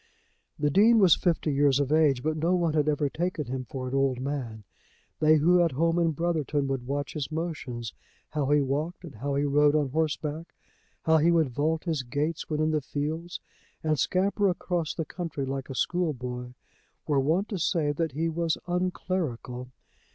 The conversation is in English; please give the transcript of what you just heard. The Dean was fifty years of age, but no one had ever taken him for an old man. They who at home at Brotherton would watch his motions, how he walked and how he rode on horseback, how he would vault his gates when in the fields, and scamper across the country like a schoolboy, were wont to say that he was unclerical.